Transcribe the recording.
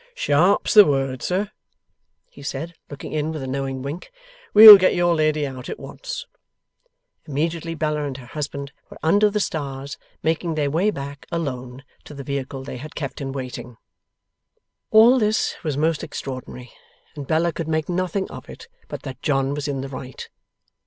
'Sharp's the word, sir!' he said, looking in with a knowing wink. 'We'll get your lady out at once.' Immediately, Bella and her husband were under the stars, making their way back, alone, to the vehicle they had kept in waiting. All this was most extraordinary, and Bella could make nothing of it but that John was in the right.